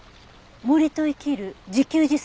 「森と生きる−自給自足のススメ」